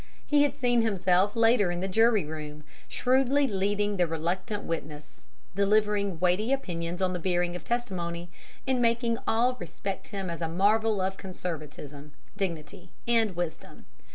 He had seen himself later in the jury room, shrewdly "leading" the reluctant witness, delivering weighty opinions on the bearing of testimony, and making all respect him as a marvel of conservatism, dignity, and wisdom.